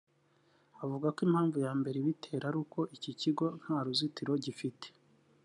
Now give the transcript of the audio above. avuga ko impamvu ya mbere ibitera ari uko iki kigo nta ruzitiro gifite